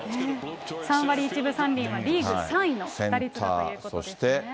３割１分３厘は、リーグ３位の打率だということですね。